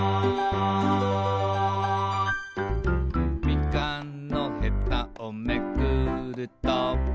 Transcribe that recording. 「みかんのヘタをめくると」